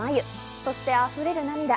そして溢れる涙。